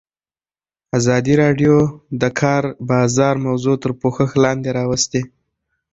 ازادي راډیو د د کار بازار موضوع تر پوښښ لاندې راوستې.